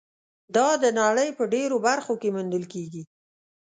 دا د نړۍ په ډېرو برخو کې موندل کېږي.